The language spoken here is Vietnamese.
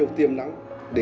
để tìm kiếm những gì